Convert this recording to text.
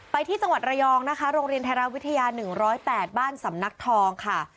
ไปที่จังหวัดระยองนะคะโรงเรียนไทยรัฐวิทยา๑๐๘บ้านสำนักทองค่ะ